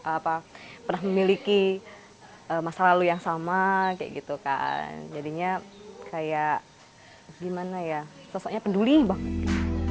apa pernah memiliki masa lalu yang sama kayak gitu kan jadinya kayak gimana ya sosoknya peduli banget